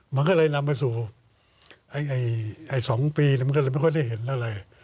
มันก็เลยนำไปสู่๒ปีมันก็เลยไม่ค่อยได้เห็นอะไร